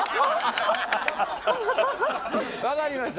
分かりました。